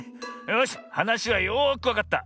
よしはなしはよくわかった。